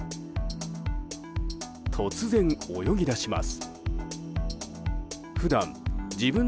突然、泳ぎ出します。